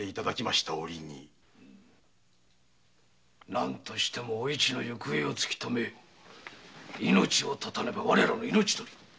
何としてもおいちの行方を捜し命を絶たねば我らの命取りに。